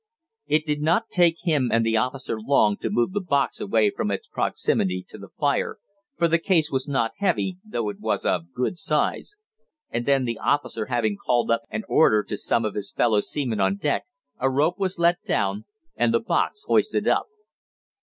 It did not take him and the officer long to move the box away from its proximity to the fire, for the case was not heavy, though it was of good size, and then the officer having called up an order to some of his fellow seamen on deck, a rope was let down, and the box hoisted up.